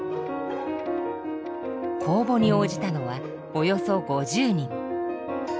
公募に応じたのはおよそ５０人。